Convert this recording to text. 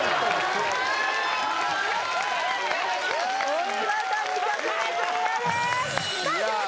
お見事２曲目クリアですさあ